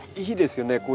いいですよね。